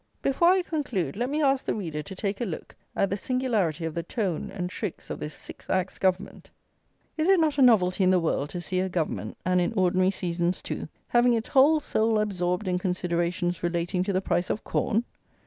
Before I conclude, let me ask the reader to take a look at the singularity of the tone and tricks of this Six Acts Government. Is it not a novelty in the world to see a Government, and in ordinary seasons, too, having its whole soul absorbed in considerations relating to the price of corn?